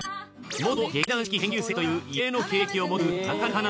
元劇団四季研究生という異例の経歴を持つなかね